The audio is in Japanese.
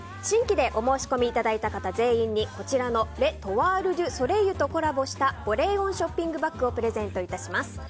新規でお申し込みいただいた方全員に、こちらのレ・トワール・デュ・ソレイユとコラボした保冷温ショッピングバッグをプレゼント致します。